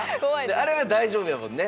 あれは大丈夫やもんね。